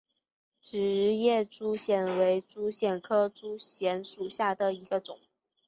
直叶珠藓为珠藓科珠藓属下的一个种。